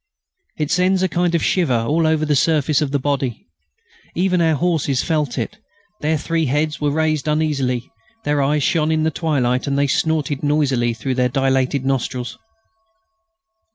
It sends a kind of shiver all over the surface of the body. Even our horses felt it. Their three heads were raised uneasily, their eyes shone in the twilight, and they snorted noisily through their dilated nostrils.